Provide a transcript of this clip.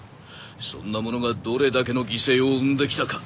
そんなものがどれだけの犠牲を生んできたか？